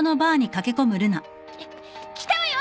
来たわよ！